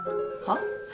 はっ？